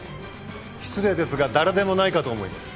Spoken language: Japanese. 失礼ですが誰でもないかと思います。